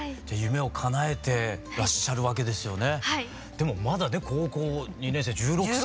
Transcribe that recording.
でもまだね高校２年生１６歳？